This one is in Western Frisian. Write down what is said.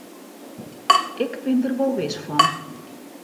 Ik bin der wol wis fan.